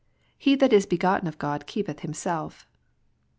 "He that is begotten of God keepeth himself."